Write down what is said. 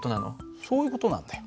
そういう事なんだよ。